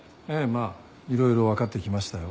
まあ色々分かってきましたよ。